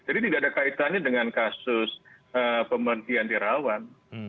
jadi tidak ada kaitannya dengan kasus pembantian di rawan